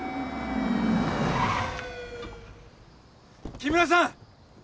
木村さん！